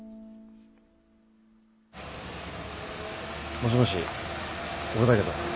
もしもし俺だけど。